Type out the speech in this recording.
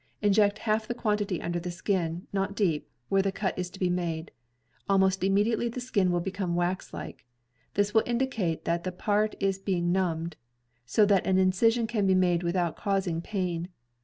Inject half the quantity under the skin, not deep, where the cut is to be made. Almost immediately the skin will become waxlike — this will indicate that the part is be numbed, so that an incision can be made without causing pain.